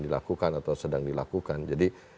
dilakukan atau sedang dilakukan jadi